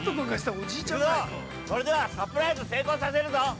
行くぞ、それではサプライズ、成功させるぞ。